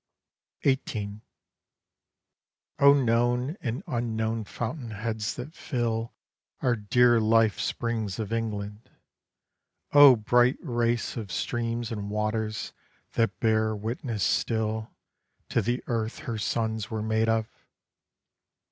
18 O known and unknown fountain heads that fill Our dear life springs of England! O bright race Of streams and waters that bear witness still To the earth her sons were made of!